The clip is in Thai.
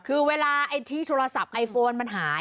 คือเวลาไอ้ที่โทรศัพท์ไอโฟนมันหาย